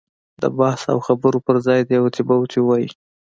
د بحث او خبرو پر ځای دې اوتې بوتې ووایي.